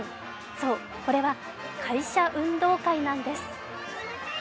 そう、これは会社運動会なんです。